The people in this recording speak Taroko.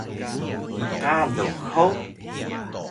Mqalux hug?